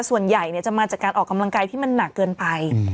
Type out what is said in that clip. ส่วนใหญ่จะมาจากการออกกำลังกายที่มันหนักเกินไป